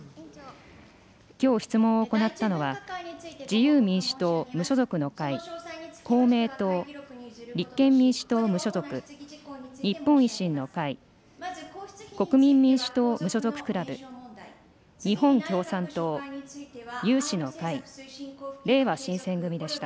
きょう質問を行ったのは、自由民主党・無所属の会、公明党、立憲民主党・無所属、日本維新の会、国民民主党・無所属クラブ、日本共産党、有志の会、れいわ新選組でした。